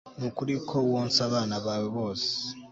Nukuri ko wonsa abana bawe bose